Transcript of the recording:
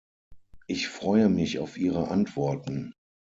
Ich freue mich auf Ihre Antworten.